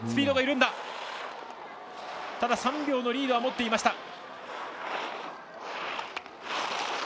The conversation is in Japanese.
３秒のリードは持っています。